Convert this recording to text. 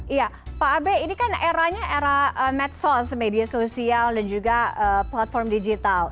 iya pak abe ini kan eranya era medsos media sosial dan juga platform digital